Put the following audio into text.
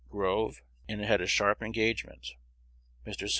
Grove, and had a sharp engagement; Mr. St.